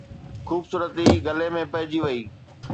خوبصورتي گلي ۾ پئجي وئي